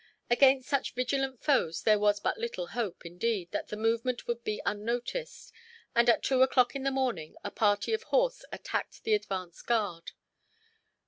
Against such vigilant foes there was but little hope, indeed, that the movement would be unnoticed and, at two o'clock in the morning, a party of horse attacked the advance guard.